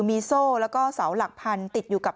มีโซ่แล้วก็เสาหลักพันติดอยู่กับ